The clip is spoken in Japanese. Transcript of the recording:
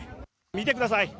見てください。